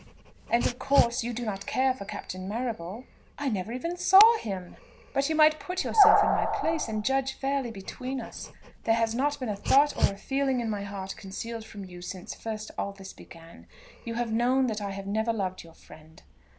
"And, of course, you do not care for Captain Marrable?" "I never even saw him." "But you might put yourself in my place, and judge fairly between us. There has not been a thought or a feeling in my heart concealed from you since first all this began. You have known that I have never loved your friend."